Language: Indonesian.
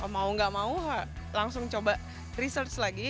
mau gak mau langsung coba research lagi